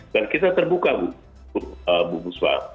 dan kita terbuka bu fusba